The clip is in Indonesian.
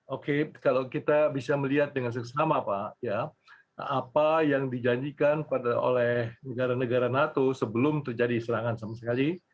oke kalau kita bisa melihat dengan seksama pak ya apa yang dijanjikan oleh negara negara nato sebelum terjadi serangan sama sekali